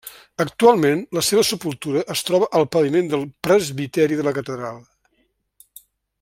Actualment, la seva sepultura es troba al paviment del presbiteri de la catedral.